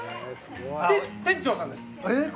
店長さんです！